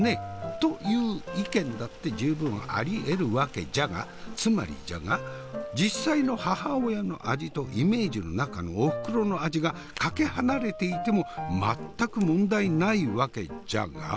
という意見だって十分ありえるわけじゃがつまりじゃが実際の母親の味とイメージの中のおふくろの味がかけ離れていても全く問題ないわけじゃが。